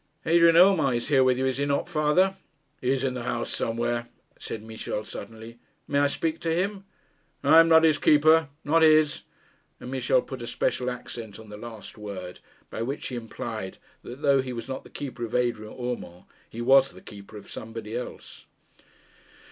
'Adrian Urmand is here with you, is he not, father?' 'He is in the house somewhere,' said Michel, sullenly. 'May I speak to him?' 'I am not his keeper; not his,' and Michel put a special accent on the last word, by which he implied that though he was not the keeper of Adrian Urmand, he was the keeper of somebody else.